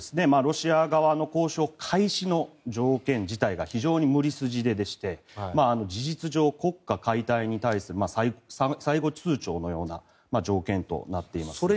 ロシア側の交渉開始の条件自体が非常に無理筋でして事実上、国家解体に対する最後通ちょうのような条件となっています。